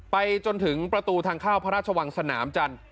ไปจนถึงประตูทางเข้าพระราชวังสนามจันทร์